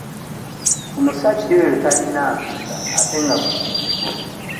Omusajja oyo talina mpisa ate nga muntu mukulu.